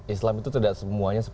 islam itu tidak semuanya